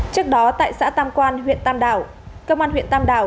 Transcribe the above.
trước đó tại xã tam quan huyện tam đảo